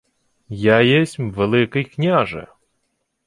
— Я єсмь, Великий княже.